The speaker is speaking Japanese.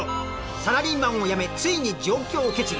サラリーマンを辞めついに上京を決意。